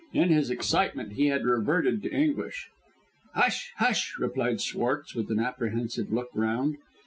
In his excitement he had reverted to English. "Hush! hush!" replied Schwartz, with an apprehensive look round.